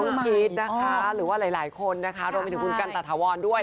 คุณพีชนะคะหรือว่าหลายคนนะคะรวมไปถึงคุณกันตาถาวรด้วย